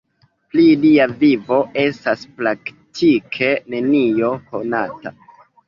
Pri lia vivo estas praktike nenio konata.